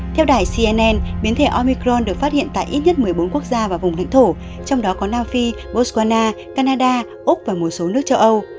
theo đài cnn biến thể omicron được phát hiện tại ít nhất một mươi bốn quốc gia và vùng lãnh thổ trong đó có nam phi botswana canada úc và một số nước châu âu